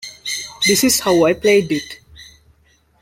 This is how I played it.